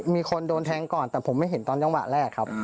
มีคนโดนแทงก่อนแต่ผมไม่เห็นตอนจังหวะแรกครับ